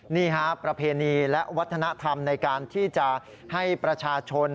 นี่ฮะประเพณีและวัฒนธรรมในการที่จะให้ประชาชน